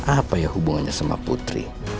apa ya hubungannya sama putri